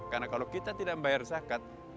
karena kalau kita tidak membayar zakat